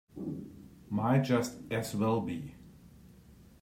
Might just as well be.